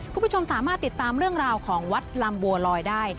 คุณผู้ชมสามารถติดตามเรื่องราวของวัดลำบัวลอยได้